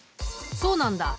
そうなんだ